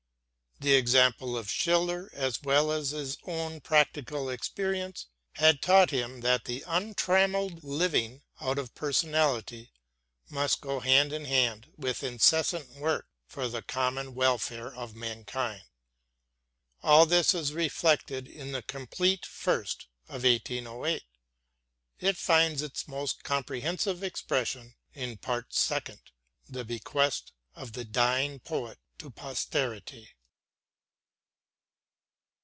The example of Schiller as well as his own practical experience had taught him that the untrammelled living out of personality must go hand in hand with incessant work for the common welfare of mankind. All this is reflected in the completed Part First of 1808; it finds its most comprehensive expression in Part Second, the bequest of the dying poet to posterity.